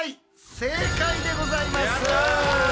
正解でございます！